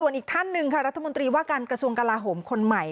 ส่วนอีกท่านหนึ่งค่ะรัฐมนตรีว่าการกระทรวงกลาโหมคนใหม่